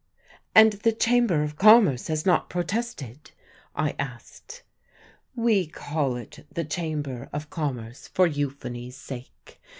"And the Chamber of Commerce has not protested?" I asked. We call it the "Chamber of Commerce" for euphony's sake.